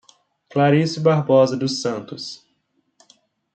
Clarice Barbosa dos Santos